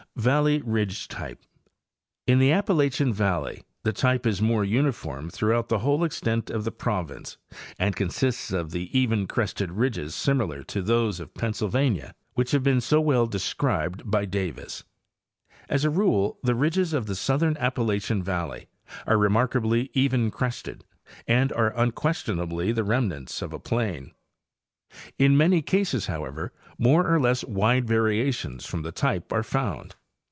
Valley Ridge Type.—In the Appalachian valley the type is more uniform throughout the whole extent of the province and con Variations of Types. 73 sists of the even crested ridges similar to those of Pennsylvania which have been so well described by Dayis.* As a rule the ridges of the southern Appalachian valley are remarkably even crested and are unquestionably the remnants of a plain. In many cases, however, more or less wide variations from the type are found.